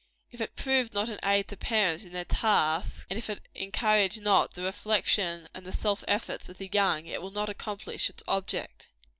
If it prove not an aid to parents, in their task, and if it encourage not the reflection and the self efforts of the young, it will not accomplish its object.